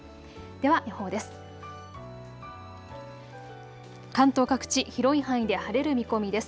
では予報です。